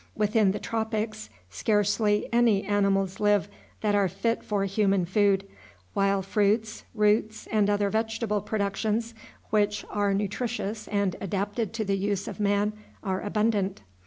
Within the tropics scarcely any animals live that are fit for human food; while fruits, roots, and other vegetable productions which are nutritious and adapted to the use of man are abundant.